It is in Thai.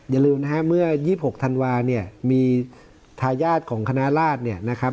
อย่าลืมนะฮะเมื่อ๒๖ธันวาเนี่ยมีทายาทของคณะราชเนี่ยนะครับ